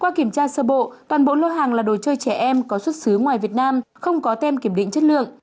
qua kiểm tra sơ bộ toàn bộ lô hàng là đồ chơi trẻ em có xuất xứ ngoài việt nam không có tem kiểm định chất lượng